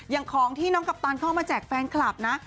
อย่างของที่น้องกัปตันเข้ามาแจกแฟนคลับนะ